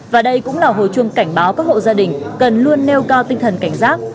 và đây cũng là hồi chuông cảnh báo các hộ gia đình cần luôn nêu cao tinh thần cảnh giác